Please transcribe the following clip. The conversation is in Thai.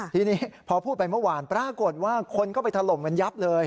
ทีนี้พอพูดไปเมื่อวานปรากฏว่าคนก็ไปถล่มกันยับเลย